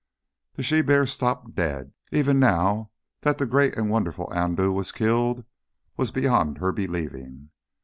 The she bear stopped dead. Even now, that the great and wonderful Andoo was killed was beyond her believing.